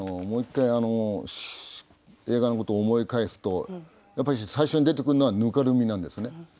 もう一回映画のことを思い返すとやっぱり最初に出てくるのは泥濘なんですね。